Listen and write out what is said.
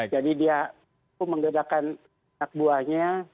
jadi dia menggerakkan takbuahnya